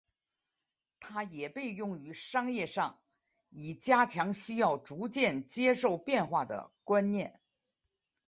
它也被用于商业上以加强需要逐渐接受变化的观念。